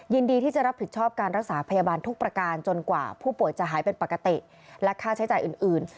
ยินดีที่จะรับผิดชอบการรักษาพยาบาลทุกประการจนกว่าผู้ป่วยจะหายเป็นปกติและค่าใช้จ่ายอื่น